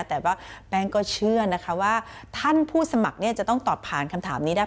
แต่ว่าแป้งก็เชื่อนะคะว่าท่านผู้สมัครจะต้องตอบผ่านคำถามนี้ได้